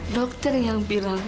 dokter yang bilang